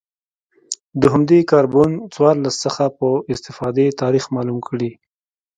له همدې کاربن څوارلس څخه په استفادې تاریخ معلوم کړي